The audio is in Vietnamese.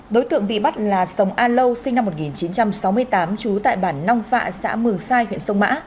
đối tượng bị bắt là sông a lâu sinh năm một nghìn chín trăm sáu mươi tám trú tại bản nong phạ xã mường sai huyện sông mã